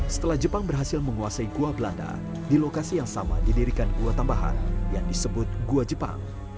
setelah jepang berhasil menguasai gua belanda di lokasi yang sama didirikan gua tambahan yang disebut gua jepang